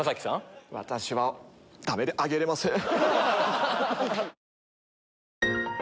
私はダメ挙げれません。